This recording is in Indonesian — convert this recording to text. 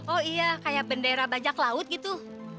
oh iya kayak bendera bajak laut gitu